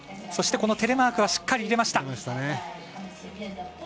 そして、テレマークはしっかり入れました。